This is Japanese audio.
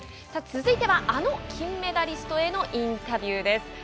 続いてはあの金メダリストへのインタビューです。